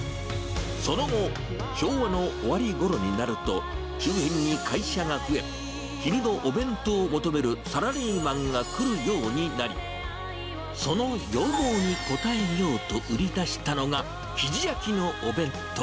その後、昭和の終りごろになると、周辺に会社が増え、昼のお弁当を求めるサラリーマンが来るようになり、その要望に応えようと売り出したのが、きじ焼きのお弁当。